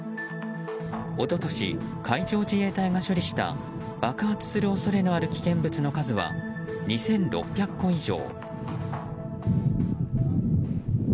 一昨年、海上自衛隊が処理した爆発する恐れのある危険物の数は２６００個以上。